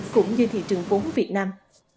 cũng như thị trường vốn việt nam